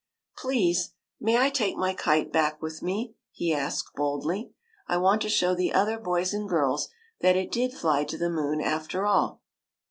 " Please, may I take my kite back with me ?" he asked boldly. '' I want to show the other boys and girls that it did fly to the moon after all."